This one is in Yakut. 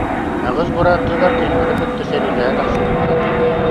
Аҕыс бырааттыылар кинилэри кытта сэриилэһэ тахсыбыттар